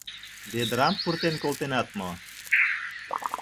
— Ведрам пуртен колтенат мо?